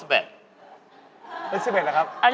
อฮิสเบศไหมครับ